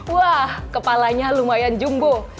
wah kepalanya lumayan jumbo